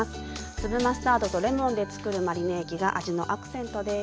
粒マスタードとレモンでつくるマリネ液が味のアクセントです。